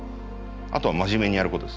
あとは真面目にやることです。